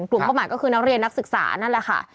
เป้าหมายก็คือนักเรียนนักศึกษานั่นแหละค่ะ